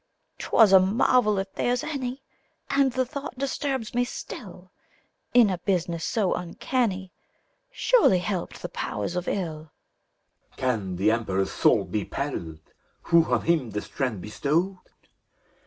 BAUCIS. 'T was a marvel, if there's any I And the thought disturbs me still : In a business so uncanny Surely helped the Powers of 111. PHILEMON. Can the Emperor's soul be perilled. Who on him the strand bestowed?